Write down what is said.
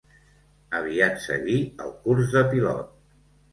Aviat seguí el curs de pilot.